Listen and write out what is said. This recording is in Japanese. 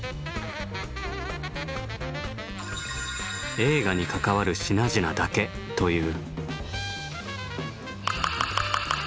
映画に関わる品々だけという。